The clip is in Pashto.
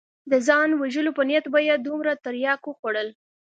د ځان وژلو په نيت به يې دومره ترياک وخوړل.